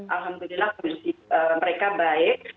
alhamdulillah kondisi mereka baik